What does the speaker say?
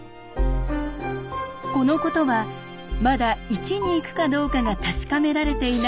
このことはまだ１に行くかどうかが確かめられていない